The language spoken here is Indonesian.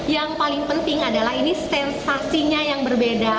yang paling penting adalah ini sensasinya yang berbeda